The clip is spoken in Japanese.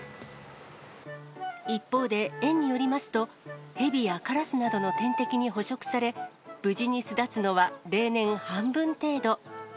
一方で、園によりますと、ヘビやカラスなどの天敵に捕食され、無事に巣立つのは、例年半分程度。